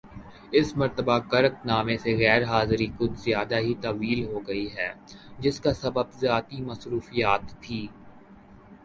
اس مرتبہ کرک نامہ سے غیر حاضری کچھ زیادہ ہی طویل ہوگئی ہے جس کا سبب ذاتی مصروفیت تھی